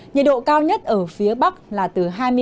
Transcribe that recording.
nhiệt độ cao nhất ở phía bắc là từ hai mươi ba đến hai mươi sáu độ